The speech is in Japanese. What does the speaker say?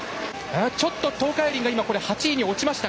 ちょっと東海林が８位に落ちました。